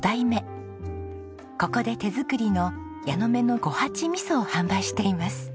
ここで手作りの「矢ノ目の五八みそ」を販売しています。